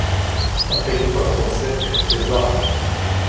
من فکر می کنم کنسرت افتضاح بود.